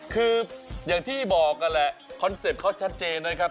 คืออย่างที่บอกนั่นแหละคอนเซ็ปต์เขาชัดเจนนะครับ